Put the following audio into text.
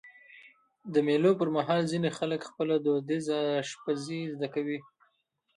د مېلو پر مهال ځيني خلک خپله دودیزه اشپزي زده کوي.